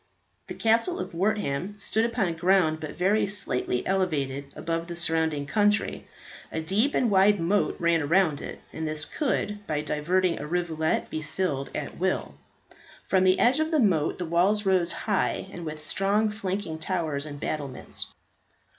The Castle of Wortham stood upon ground but very slightly elevated above the surrounding country. A deep and wide moat ran round it, and this could, by diverting a rivulet, be filled at will. From the edge of the moat the walls rose high, and with strong flanking towers and battlements.